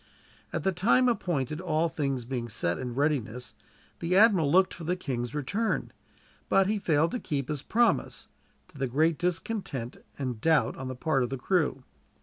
At the time appointed, all things being set in readiness, the admiral looked for the king's return; but he failed to keep his promise, to the great discontent and doubt on the part of the crew.